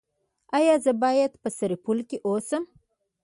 ایا زه باید په سرپل کې اوسم؟